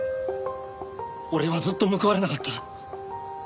俺はずっと報われなかった。